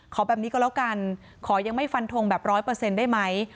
ขอแบบนี้ก็แล้วกันขอยังไม่ฟันทงแบบร้อยเปอร์เซ็นต์ได้ไหม